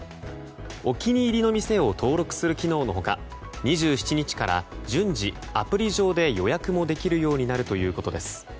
お気に入りの店を登録する機能の他２７日から順次アプリ上で予約もできるようになるということです。